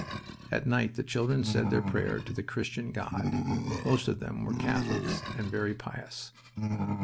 At night the children said their prayer to the Christian God. Most of them were Catholics, and very pious.